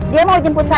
dia mau jemput saya pak